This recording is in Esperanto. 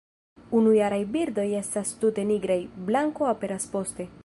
Unujaraj birdoj estas tute nigraj; blanko aperas poste.